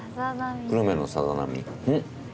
久留米のさざなみ。